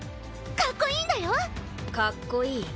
かっこいいんだよかっこいい？